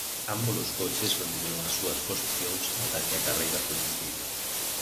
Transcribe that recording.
Ambos os coches mantiveron as súas posicións ata que a carreira foi detida.